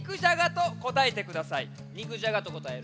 「肉じゃが」とこたえる。